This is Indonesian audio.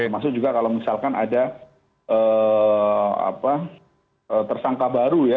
termasuk juga kalau misalkan ada tersangka baru ya